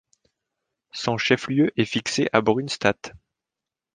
Son chef-lieu est fixé à Brunstatt.